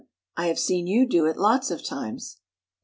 I have seen you do it lots of times."